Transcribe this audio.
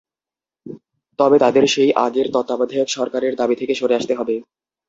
তবে তাদের সেই আগের তত্ত্বাবধায়ক সরকারের দাবি থেকে সরে আসতে হবে।